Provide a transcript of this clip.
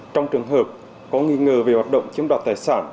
trong trường hợp có nghi ngờ về hoạt động chiếm đoạt tài sản